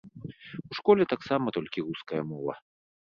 У школе таксама толькі руская мова.